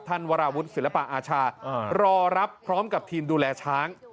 วราวุฒิศิลปะอาชารอรับพร้อมกับทีมดูแลช้าง